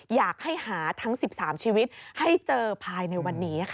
อยากให้หาทั้ง๑๓ชีวิตให้เจอภายในวันนี้ค่ะ